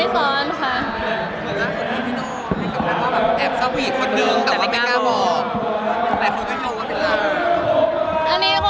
ซ้อนไปไหนคะ